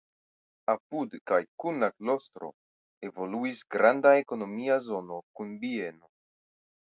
Apud kaj kun la klostro evoluis granda ekonomia zono kun bieno.